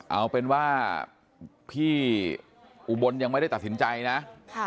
เอาเป็นว่าพี่อุบลยังไม่ได้ตัดสินใจนะ